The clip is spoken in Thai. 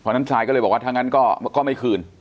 เพราะฉะนั้นชายก็เลยบอกว่าถ้างั้นก็ไม่คืน